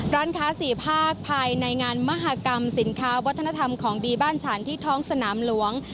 ร้านค้าสี่ภาคภายในงานมหากรรมสินค้าวัฒนธรรมของดีบ้านฉันที่ท้องสนามหลวง